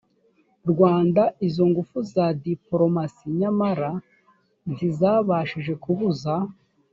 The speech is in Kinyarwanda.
rwanda izo ngufu za diporomasi nyamara ntizabashije kubuza